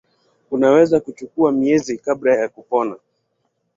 Unaweza kuchukua miezi kabla ya kupona.